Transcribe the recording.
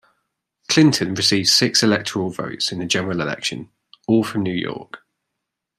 Clinton received six electoral votes in the general election, all from New York.